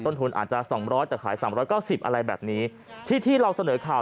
ทุนอาจจะสองร้อยแต่ขายสามร้อยเก้าสิบอะไรแบบนี้ที่ที่เราเสนอข่าว